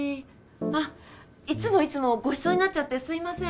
あっいつもいつもごちそうになっちゃってすみません。